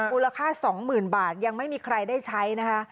อุณหาค่าสองหมื่นบาทยังไม่มีใครได้ใช้นะคะ